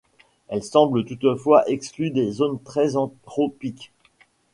Elle semble toutefois exclue des zones très anthropiques.